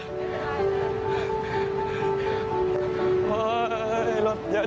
คลิปนี้เห็นแล้วมันก็มีสิ่งดีเกิดขึ้น